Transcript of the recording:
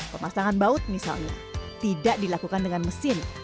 pemasangan baut misalnya tidak dilakukan dengan mesin